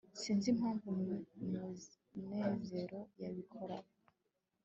sinzi impamvu munezero yabikora